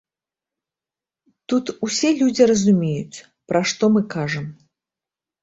Тут усе людзі разумеюць, пра што мы кажам.